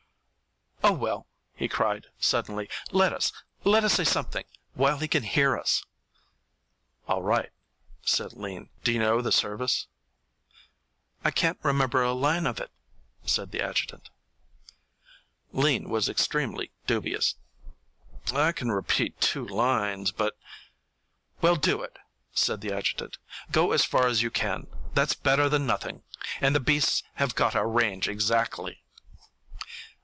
"Oh, well," he cried, suddenly, "let us let us say something while he can hear us." "All right," said Lean. "Do you know the service?" "I can't remember a line of it," said the adjutant. Lean was extremely dubious. "I can repeat two lines, but " "Well, do it," said the adjutant. "Go as far as you can. That's better than nothing. And the beasts have got our range exactly."